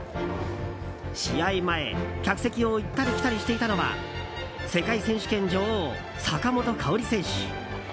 試合前、客席を行ったり来たりしていたのは世界選手権女王、坂本花織選手。